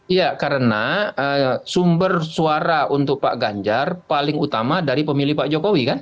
iya karena sumber suara untuk pak ganjar paling utama dari pemilih pak jokowi kan